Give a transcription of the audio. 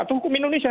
itu hukum indonesia